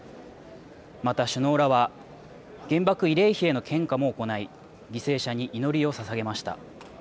また首脳らは原爆慰霊碑への献花も行い犠牲者に祈りをささげました。